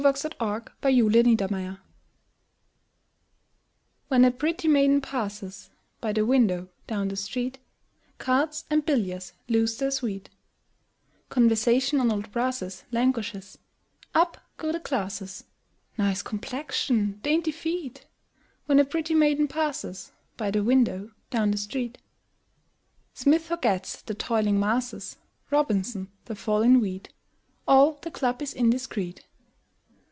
U V . W X . Y Z At the Club When a pretty maiden passes By the window down the street, Cards and billiards lose their sweet; Conversation on old brasses Languishes; up go the glasses: "Nice complexion!" "Dainty feet!" When a pretty maiden passes By the window down the street. Smith forgets the "toiling masses," Robinson, the fall in wheat; All the club is indiscret.